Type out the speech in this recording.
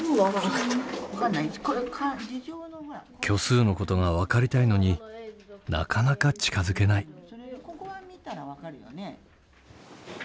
虚数のことが分かりたいのになかなか近づけない。